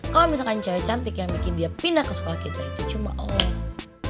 kalau misalkan cewek cantik yang bikin dia pindah ke sekolah kita itu cuma allah